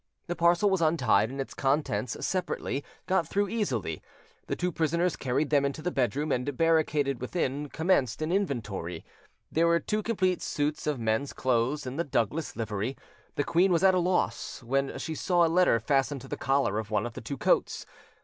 The parcel was untied, and its contents, separately, got through easily. The two prisoners carried them into the bedroom, and, barricaded within, commenced an inventory. There were two complete suits of men's clothes in the Douglas livery. The queen was at a loss, when she saw a letter fastened to the collar of one of the two coats.